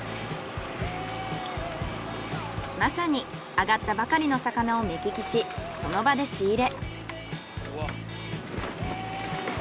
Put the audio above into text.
まさに揚がったばかりの魚を目利きしその場で仕入れ。